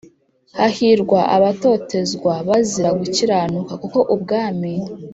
Hahirwa abatotezwa c bazira gukiranuka kuko ubwami